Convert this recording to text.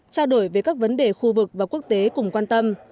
trao đổi về các vấn đề khu vực và quốc tế cùng quan tâm